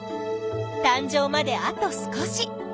たん生まであと少し。